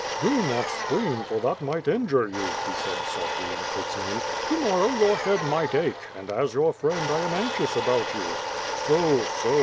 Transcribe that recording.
"Do not scream for that might injure you," he said softly and coaxingly, "to morrow your head might ache, and, as your friend, 1 am anxious about you. So, so!